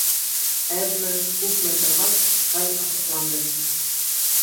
Әҙме-күпме торғас, хәл асыҡланды.